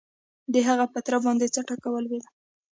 د هغه په تره باندې څه ټکه ولوېده؟